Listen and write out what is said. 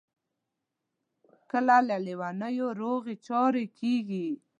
کله له لېونیو روغې چارې کیږي.